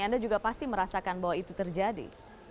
anda juga pasti merasakan bahwa itu terjadi